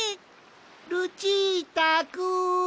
ルチータくん！